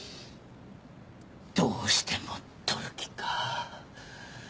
どうしても取る気か。